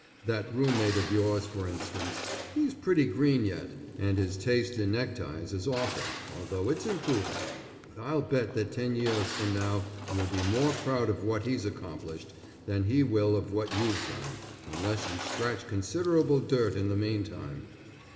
That roommate of yours for instance. He's pretty green yet, and his taste in neckties is awful, although it's improving, but I'll bet that ten years from now you'll be more proud of what he's accomplished, than he will of what you've done, unless you scratch considerable dirt in the meantime.